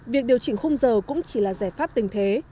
việc điều chỉnh khung giờ cũng chỉ là giải pháp tình thế